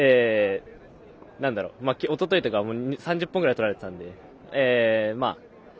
おとといとか、３０本くらい取られてたんで。